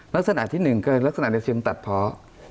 ลักษณะที่หนึ่งคือลักษณะในซิมตัดเพาะ